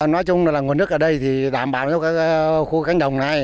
nói chung là nguồn nước ở đây thì đảm bảo cho các khu cánh đồng này